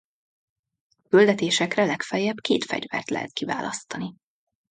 A küldetésekre legfeljebb két fegyvert lehet kiválasztani.